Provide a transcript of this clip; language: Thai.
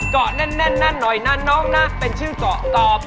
เกาะแน่นหน่อยนั่นน้องนะเป็นชื่อเกาะตอบ